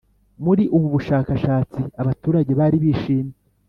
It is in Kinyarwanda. Muri ubu bushakashatsi abaturage bari shimye